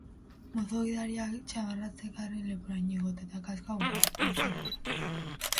Moto gidariak txamarra zekarren leporaino igota eta kaskoa buruan, beltzak biak.